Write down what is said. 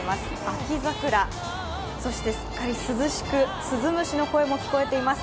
秋桜、そしてすっかり涼しくすずむしの声も聞こえています。